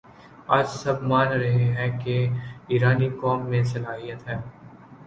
آج سب مان رہے ہیں کہ ایرانی قوم میں صلاحیت ہے